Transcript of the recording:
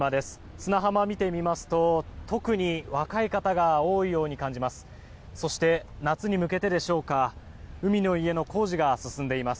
砂浜を見てみますと特に若い方が多いように感じます。